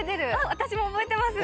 私も覚えてます！